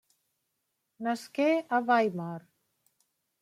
Nasqué a Weimar.